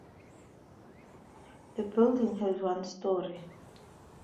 The building has one story.